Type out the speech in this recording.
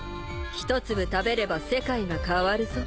一粒食べれば世界が変わるぞ。